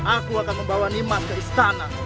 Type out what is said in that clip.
aku akan membawa nimat ke istana